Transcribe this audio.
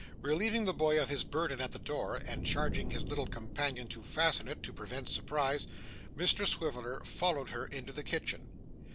Relieving the boy of his burden at the door, and charging his little companion to fasten it to prevent surprise, Mr Swiveller followed her into the kitchen.